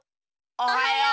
おはよう！